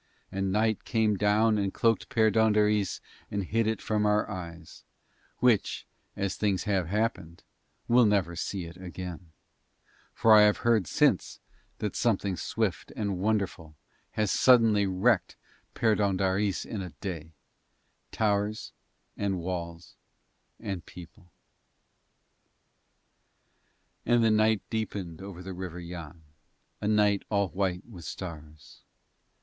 And night came down and cloaked Perdóndaris and hid it from our eyes, which as things have happened will never see it again; for I have heard since that something swift and wonderful has suddenly wrecked Perdóndaris in a day towers, and walls, and people. And the night deepened over the River Yann, a night all white with stars.